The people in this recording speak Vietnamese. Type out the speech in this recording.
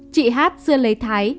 chị h xưa lấy thái